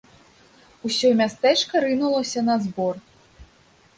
Усё мястэчка рынулася на збор.